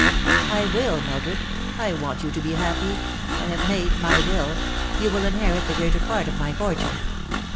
" I will, Mildred. I want you to be happy. I have made my y/ill. You will inherit the greater part of my fortune."